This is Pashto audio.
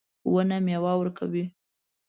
ونه میوه ورکوي